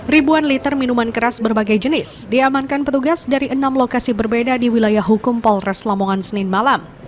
ribuan liter minuman keras berbagai jenis diamankan petugas dari enam lokasi berbeda di wilayah hukum polres lamongan senin malam